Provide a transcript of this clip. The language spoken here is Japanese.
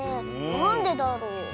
なんでだろう？